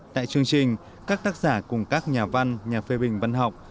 tại chương trình các tác giả cùng các nhà văn nhà phê bình văn học